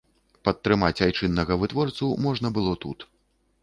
Падтрымаць айчыннага вытворцу можна было тут.